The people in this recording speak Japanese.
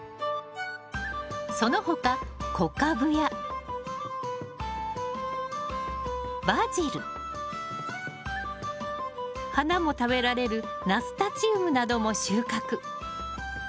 その他小カブやバジル花も食べられるナスタチウムなども収穫。